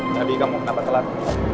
nabi kamu kenapa telat